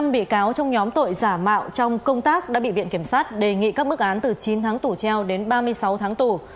năm bị cáo trong nhóm tội giả mạo trong công tác đã bị viện kiểm sát đề nghị các bức án từ chín tháng tù treo đến ba mươi sáu tháng tù